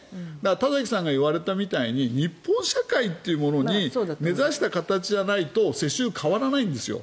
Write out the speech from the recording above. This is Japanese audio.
田崎さんが言われたみたいに日本社会というものに根差した形じゃないと世襲、変わらないんですよ。